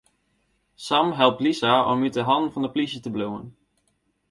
Sam helpt Lisa om út 'e hannen fan de plysje te bliuwen.